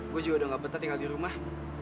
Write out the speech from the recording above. gue juga udah gak bener tinggal di rumah